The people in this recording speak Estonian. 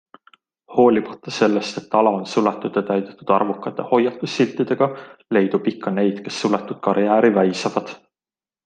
Hoolimata sellest, et ala on suletud ja täidetud arvukate hoiatussiltidega, leidub ikka neid, kes suletud karjääri väisavad.